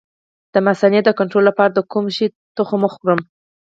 د مثانې د کنټرول لپاره د کوم شي تخم وخورم؟